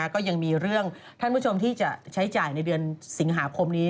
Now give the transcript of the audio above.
ก็ยังมีเรื่องท่านผู้ชมที่จะใช้จ่ายในเดือนสิงหาคมนี้